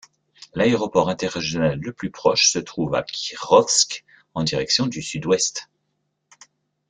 L'aéroport interrégional le plus proche se trouve à à Kirovsk, en direction du sud-ouest.